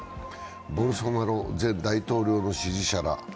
ボルソナロ前大統領の支持者ら